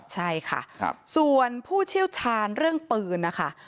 ใช่ค่ะส่วนผู้เชี่ยวชาญเรื่องปืนนะคะ